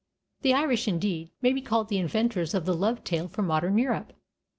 The Irish, indeed, may be called the inventors of the love tale for modern Europe.